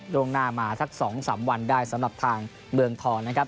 ลงหน้ามาทักส๓๔ระเบียบได้สำหรับทางเมืองทอง